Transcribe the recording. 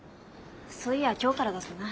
そういや今日からだったな。